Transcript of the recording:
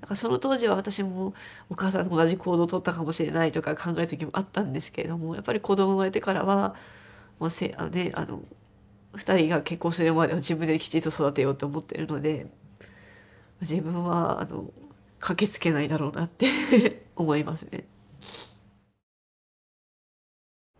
何かその当時は私もお母さんと同じ行動を取ったかもしれないとか考える時もあったんですけどもやっぱり子供生まれてからは２人が結婚するまでは自分できちんと育てようって思ってるので自分は駆けつけないだろうなって思いますね。